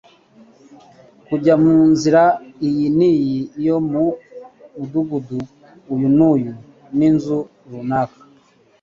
kujya mu nzira iyi n'iyi yo mu mudugudu uyu n'uyu n'inzu runaka